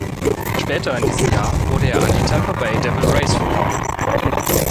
Später in diesem Jahr wurde er an die Tampa Bay Devil Rays verkauft.